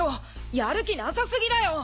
やる気なさすぎだよ！